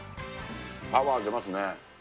パワー出ますね。